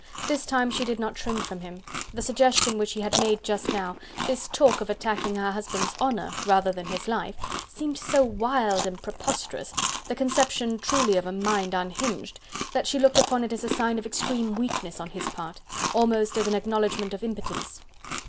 This time she did not shrink from him. The suggestion which he had made just now, this talk of attacking her husband's honour rather than his life, seemed so wild and preposterous the conception truly of a mind unhinged that she looked upon it as a sign of extreme weakness on his part, almost as an acknowledgement of impotence.